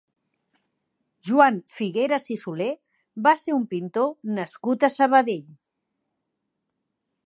Joan Figueras i Soler va ser un pintor nascut a Sabadell.